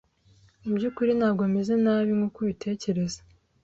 Mubyukuri ntabwo meze nabi nkuko ubitekereza.